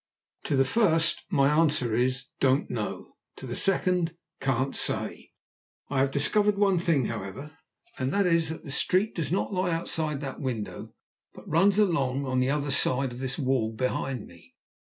"To the first my answer is, 'don't know'; to the second, 'can't say.' I have discovered one thing, however, and that is that the street does not lie outside that window, but runs along on the other side of this wall behind me.